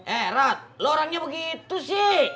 eh rod lo orangnya begitu sih